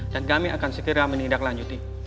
dan kami akan segera menindaklanjuti